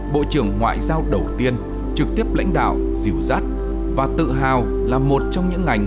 bộ trưởng ngoại giao đầu tiên trực tiếp lãnh đạo dìu dắt và tự hào là một trong những ngành